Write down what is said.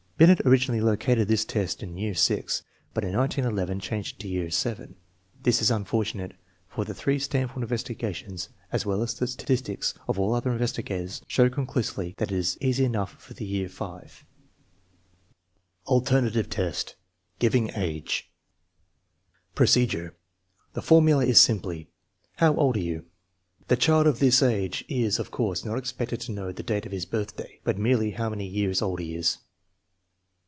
Binet originally located this test in year VI, but in 1911 changed it to year VII. This is unfortunate, for the three TEST NO. V, ALTERNATIVE 173 Stanford investigations, as well as the statistics of all other investigators, show conclusively that it is easy enough for year V. V. Alternative test: giving age Procedure. The formula is simply, " How old are you? " The child of this age is, of course, not expected to know the date of his birthday, but merely how many years old he is.